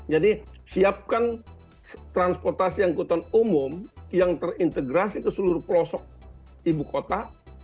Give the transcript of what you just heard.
jadi siapkan transportasi angkutan umum yang terintegrasi ke seluruh pelosok ibu kota